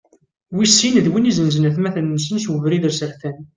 Wis sin, d wid izenzen atmaten-nsen s ubrid asertan.